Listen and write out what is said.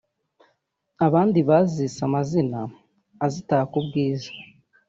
abandi bazise amazina azitaka ubwiza